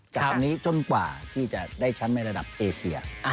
จากตรงนี้จนกว่าที่จะได้แชมป์ในระดับเอเซีย